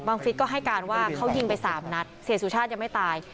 ฟิศก็ให้การว่าเขายิงไปสามนัดเสียสุชาติยังไม่ตาย